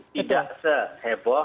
tidak seheboh apa namanya